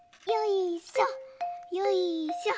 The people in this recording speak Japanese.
よいしょ。